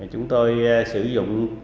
chúng tôi sử dụng